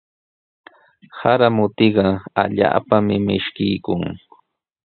Sara mutiqa allaapami mishkiykun.